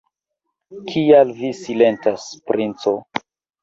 Kial vi silentas, princo?